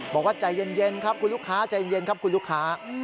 บอกว่าใจเย็นครับคุณลูกค้าใจเย็นครับคุณลูกค้า